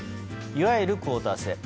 いわゆるクオータ制。